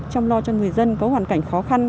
chăm lo cho người dân có hoàn cảnh khó khăn